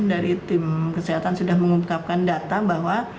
dari tim kesehatan sudah mengungkapkan data bahwa